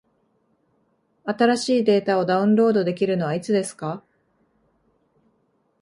新しいデータをダウンロードできるのはいつですか？